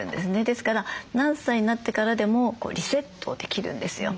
ですから何歳になってからでもリセットできるんですよ。